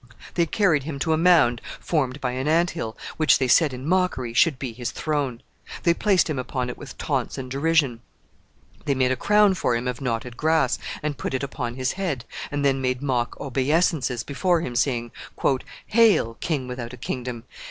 They carried him to a mound formed by an ant hill, which they said, in mockery, should be his throne. They placed him upon it with taunts and derision. They made a crown for him of knotted grass, and put it upon his head, and then made mock obeisances before him, saying, "Hail! king without a kingdom.